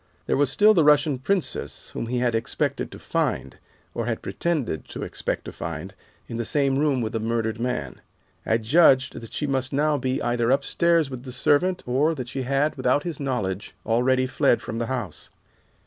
There was still the Russian princess whom he had expected to find, or had pretended to expect to find, in the same room with the murdered man. I judged that she must now be either upstairs with the servant, or that she had, without his knowledge, already fled from the house.